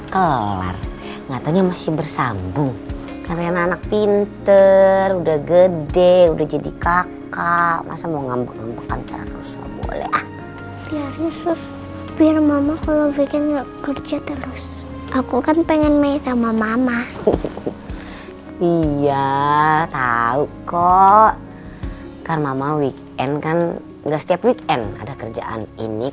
kamu sudah selesai mandi